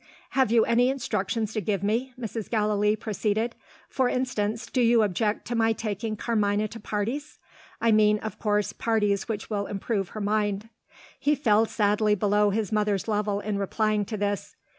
"Have you any instructions to give me?" Mrs. Gallilee proceeded. "For instance, do you object to my taking Carmina to parties? I mean, of course, parties which will improve her mind." He fell sadly below his mother's level in replying to this.